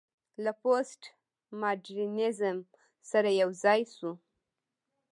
له پوسټ ماډرنيزم سره يوځاى شو